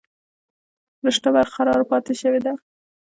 رشته برقرار پاتې شوې ده